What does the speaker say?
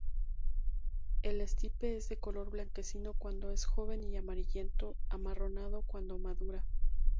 El estipe es de color blanquecino cuando es joven y amarillento amarronado cuando madura.